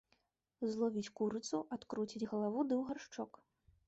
Зловіць курыцу, адкруціць галаву ды ў гаршчок.